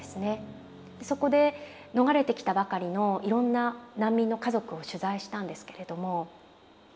そこで逃れてきたばかりのいろんな難民の家族を取材したんですけれども。